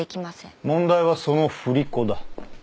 問題はその振り子だ。